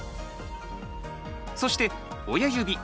そして親指